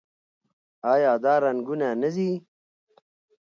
آیا دا رنګونه نه ځي؟